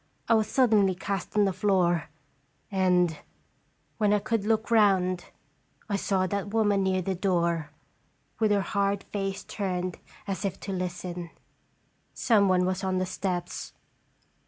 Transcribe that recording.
I was suddenly cast on the floor, and, when I could look round, I saw that woman near the door, with her hard face turned as if to listen. Some one was on the steps.